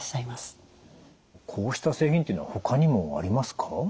こうした製品というのはほかにもありますか？